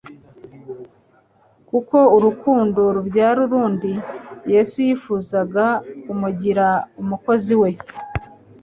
kuko urukundo rubyara urundi. Yesu yifuzaga kumugira umukozi we.